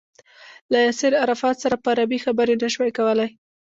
له ياسر عرفات سره په عربي خبرې نه شوای کولای.